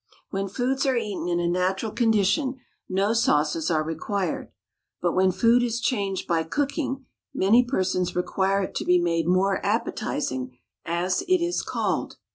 When foods are eaten in a natural condition no sauces are required, but when food is changed by cooking many persons require it to be made more appetising, as it is called.